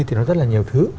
thì nó rất là nhiều thứ